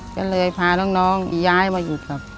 ก็เลยพาน้องย้ายมาอยู่ครับ